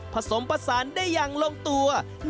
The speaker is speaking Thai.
ผสมผสานได้ยินมากกว่า